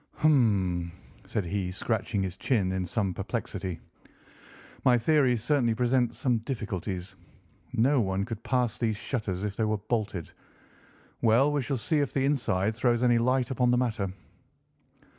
"Hum!" said he, scratching his chin in some perplexity, "my theory certainly presents some difficulties. No one could pass these shutters if they were bolted. Well, we shall see if the inside throws any light upon the matter."